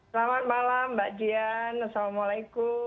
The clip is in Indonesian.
selamat malam mbak dian assalamualaikum